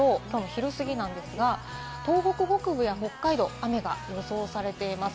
昼すぎなんですが、東北北部や北海道、雨が予想されています。